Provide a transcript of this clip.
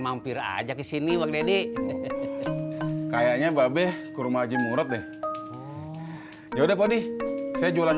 mampir aja kesini wak deddy kayaknya babes kurma aji murad deh ya udah padi saya jualan